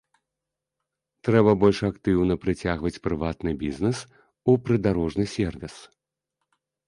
Трэба больш актыўна прыцягваць прыватны бізнэс у прыдарожны сервіс.